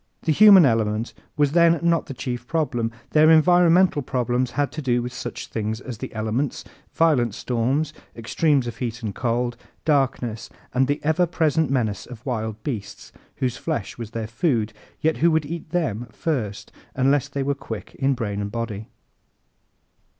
The human element was then not the chief problem. Their environmental problems had to do with such things as the elements, violent storms, extremes of heat and cold, darkness, the ever present menace of wild beasts whose flesh was their food, yet who would eat them first unless they were quick in brain and body.